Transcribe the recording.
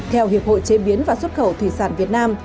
theo hiệp hội chế biến và xuất khẩu thủy sản việt nam